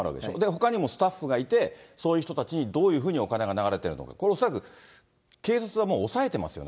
ほかにもスタッフがいて、そういう人たちにどういうふうにお金が流れているか、これ恐らく、警察はもう押さえてますよね。